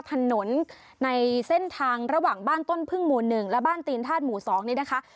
ถนนในเส้นทางระหว่างบ้านต้นพึ่งหมู่๑และบ้านตีนธาตุหมู่๒นี้นะคะ